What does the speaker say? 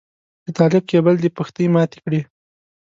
د طالب کيبل دې پښتۍ ماتې کړې.